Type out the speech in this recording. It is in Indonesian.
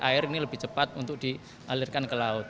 air ini lebih cepat untuk dialirkan ke laut